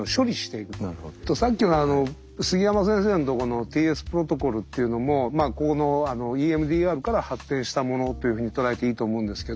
さっきのあの杉山先生のとこのＴＳプロトコールっていうのもこのＥＭＤＲから発展したものというふうに捉えていいと思うんですけど。